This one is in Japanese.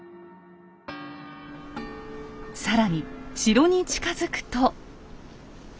更に城に近づくと。